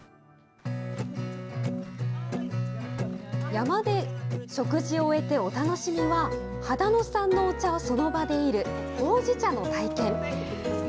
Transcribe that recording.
山で食事を終えてお楽しみは、秦野市産のお茶をその場でいるほうじ茶の体験。